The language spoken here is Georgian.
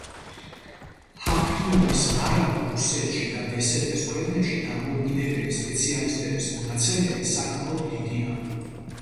ჰაფნიუმის მარაგი რუსეთში და დსთ-ს ქვეყნებში, დამოუკიდებელი სპეციალისტების მონაცემებით საკმაოდ დიდია.